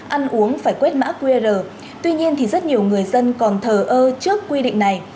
ăn uống phải quét mã qr tuy nhiên thì rất nhiều người dân còn thờ ơ trước quy định này